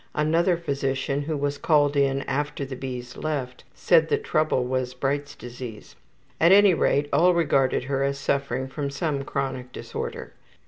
Another physician, who was called in after the B.'s left, said the trouble was Bright's disease. At any rate, all regarded her as suffering from some chronic disorder.